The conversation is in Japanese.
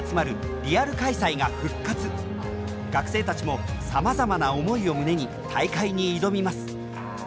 学生たちもさまざまな思いを胸に大会に挑みます。